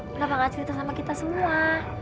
kenapa gak cerita sama kita semua